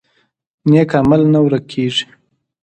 نیک عمل نه ورک کیږي